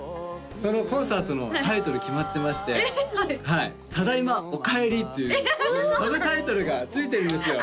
そのコンサートのタイトル決まってまして「ただいまおかえり」っていうサブタイトルがついてるんですよ